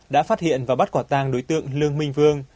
đã phát hiện và bắt quả tàng đối tượng lương minh vương